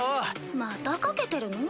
また賭けてるの？